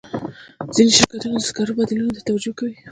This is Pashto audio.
ځینې شرکتونه د سکرو بدیلونو ته توجه کوي.